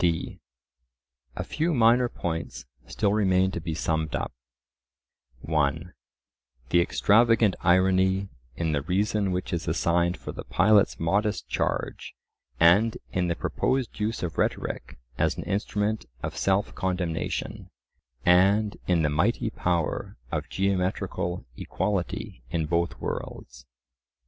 d. A few minor points still remain to be summed up: (1) The extravagant irony in the reason which is assigned for the pilot's modest charge; and in the proposed use of rhetoric as an instrument of self condemnation; and in the mighty power of geometrical equality in both worlds.